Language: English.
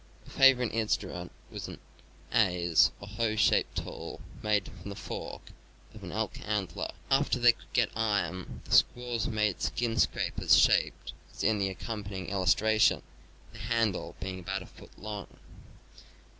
A favorite instrument was an adze or hoe shaped tool made from the fork of an elk antler. After they could get iron, the squaws made skin scrapers shaped as in the accompanying illustration, the handle being about a foot long.